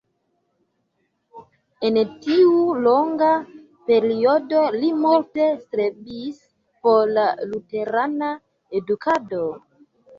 En tiu longa periodo li multe strebis por la luterana edukado.